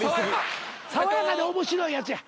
爽やかで面白いやつや。